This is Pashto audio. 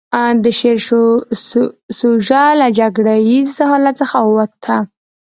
د شعر سوژه له جګړه ييز حالت څخه ووته.